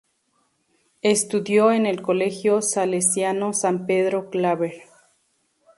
Estudió en el Colegio Salesiano San Pedro Claver.